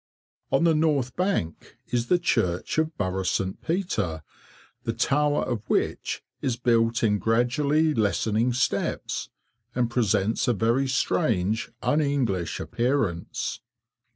On the north bank is the church of Burgh St. Peter, the tower of which is built in gradually lessening steps, and presents a very strange, un English appearance.